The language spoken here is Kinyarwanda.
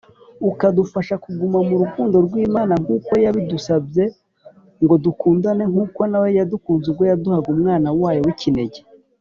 ukadufasha kuguma mu rukundo rw Imana nkuko yabidusbye ngodukundane nkuko nayo yadukunze ubwo yaduhaga umwana wayo wikinege.